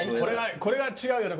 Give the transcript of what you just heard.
これが違うよな